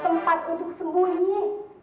tempat untuk sembunyi